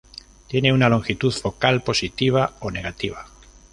Tiene una longitud focal positiva o negativa.